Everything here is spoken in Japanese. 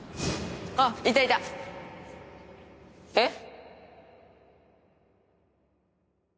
あっいたいたえっ？